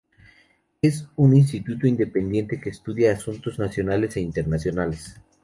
Es un instituto independiente que estudia asuntos nacionales e internacionales.